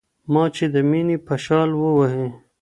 ما چي د ميني په شال ووهي